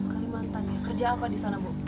kalimantan kerja apa di sana bu